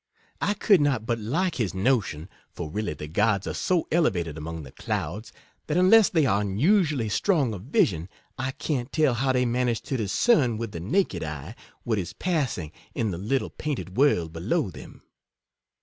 I could not but like his notion, for really the gods are so elevated among the clouds, that unless they are un usually strong of vision, I can't tell how they manage to discern with the naked eye what is passing in the little painted world below them.